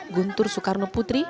guntur soekarno dan pdi perjuangan